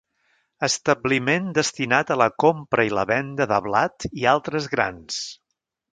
Establiment destinat a la compra i la venda de blat i altres grans.